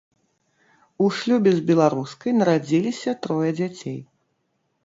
У шлюбе з беларускай нарадзіліся трое дзяцей.